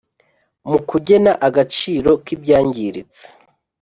mukugena agaciro k’ibyangiritse